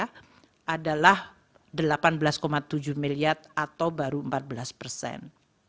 tahun dua ribu dua puluh dua alokasi anggaran rp satu ratus lima puluh enam lima miliar realisasinya rp delapan belas tujuh miliar atau baru empat belas persen